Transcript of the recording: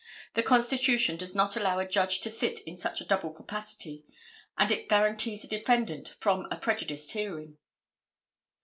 The constitution does not allow a Judge to sit in such a double capacity and it guarantees a defendant from a prejudiced hearing."